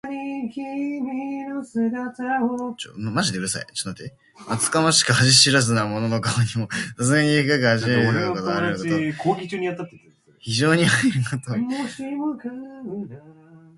あつかましく恥知らずな者の顔にも、さすがに深く恥じているようすが表れること。非常に恥じ入ることを謙遜した言い回し。顔にもありありと恥じ入る色が出るという意味。自分の恥じ入ることを謙遜して言ったものが、転じて文字通り、恥知らずのあつかましい者でさえ恥じ入るという意味で用いられることもある。